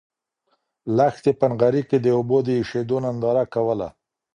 لښتې په نغري کې د اوبو د اېشېدو ننداره کوله.